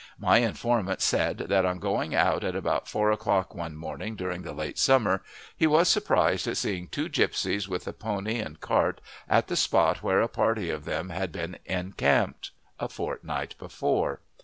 My informant said that on going out at about four o'clock one morning during the late summer he was surprised at seeing two gipsies with a pony and cart at the spot where a party of them had been encamped a fortnight before.